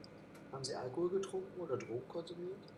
Haben Sie Alkohol getrunken oder Drogen konsumiert?